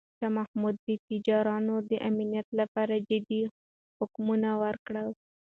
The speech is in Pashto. شاه محمود د تجارانو د امنیت لپاره جدي حکمونه ورکړل.